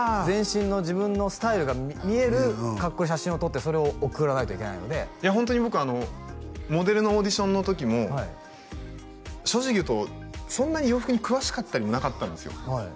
全身の自分のスタイルが見える格好で写真を撮ってそれを送らないといけないのでホントに僕あのモデルのオーディションの時も正直言うとそんなに洋服に詳しかったりもなかったんですよ